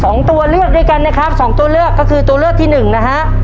สองตัวเลือกด้วยกันนะครับสองตัวเลือกก็คือตัวเลือกที่หนึ่งนะฮะ